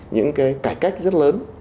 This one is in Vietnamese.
những cái cải cách rất lớn